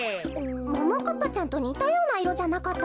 ももかっぱちゃんとにたようないろじゃなかったっけ。